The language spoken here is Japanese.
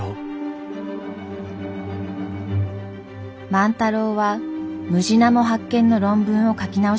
万太郎はムジナモ発見の論文を書き直しました。